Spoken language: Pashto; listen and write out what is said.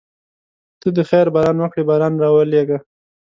ته د خیر باران وکړې باران راولېږه.